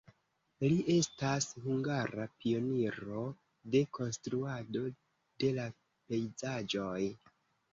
Li estas hungara pioniro de konstruado de la pejzaĝoj.